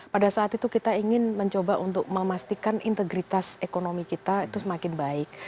pada saat itu kita ingin mencoba untuk memastikan integritas ekonomi kita itu semakin baik